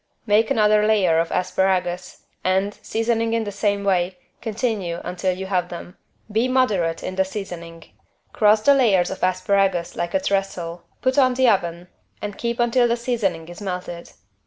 Make another layer of asparagus and, seasoning in the same way, continue until you have them. Be moderate in the seasoning. Cross the layers of asparagus like a trestle, put on the oven and keep until the seasoning, is melted.